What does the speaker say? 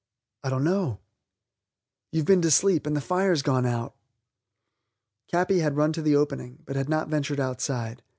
"I don't know." "You've been to sleep, and the fire's gone out." Capi had run to the opening, but had not ventured outside.